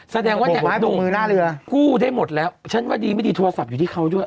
แสดงว่าเนี่ยกู้ได้หมดแล้วฉันว่าดีไม่ดีโทรศัพท์อยู่ที่เขาด้วย